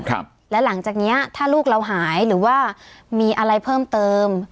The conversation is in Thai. ครับแล้วหลังจากเนี้ยถ้าลูกเราหายหรือว่ามีอะไรเพิ่มเติม